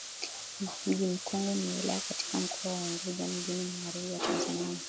Mji Mkongwe ni wilaya katika Mkoa wa Unguja Mjini Magharibi wa Tanzania